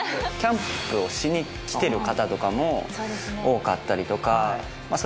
キャンプをしに来てる方とかも多かったりとか。